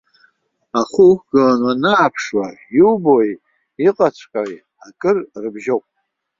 Ахәы уқәгыланы уанааԥшуа иубои иҟаҵәҟьои акыр рыбжьоуп.